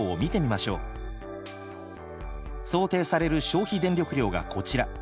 想定される消費電力量がこちら。